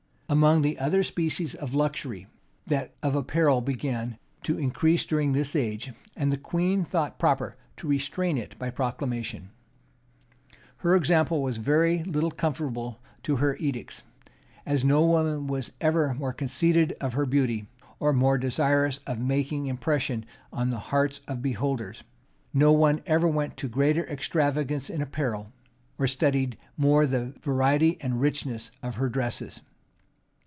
[] Among the other species of luxury, that of apparel began much to increase during this age; and the queen thought proper to restrain it by proclamation.[] Her example was very little conformable to her edicts. As no woman was ever more conceited of her beauty, or more desirous of making impression on the hearts of beholders, no one ever went to a greater extravagance in apparel, or studied more the variety and richness of her dresses.